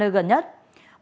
hãy báo ngay cho chúng tôi